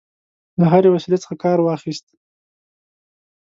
له هري وسیلې څخه کارواخیست.